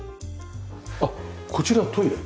あっこちらトイレ？